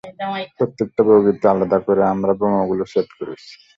প্রত্যেকটা বগিতে আলাদা করে আমরা বোমাগুলো সেট করেছি।